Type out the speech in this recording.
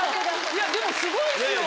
いやでもすごい器用。